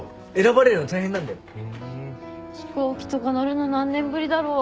飛行機とか乗るの何年ぶりだろう。